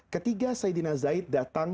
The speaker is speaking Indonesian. ketiga sayyidina zaid datang